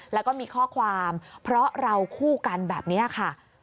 แล้วก็มีข้อความเพราะเราคู่กันแบบนี้ค่ะ